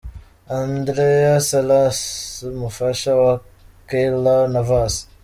Andrea Salas umufasha wa Keylor Navas.